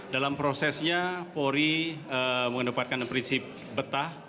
dalam prosesnya polri mengedepankan prinsip betah